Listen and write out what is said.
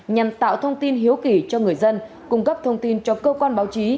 nhằm tạo thông tin hiếu kỳ cho người dân cung cấp thông tin cho cơ quan báo chí